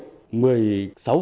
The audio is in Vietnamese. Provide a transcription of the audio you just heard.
đã được phát hiện